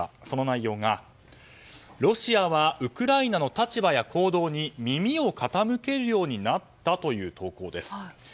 その内容がロシアはウクライナの立場や行動に耳を傾けるようになったという投稿です。